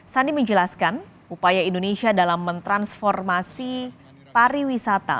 sandi menjelaskan upaya indonesia dalam mentransformasi pariwisata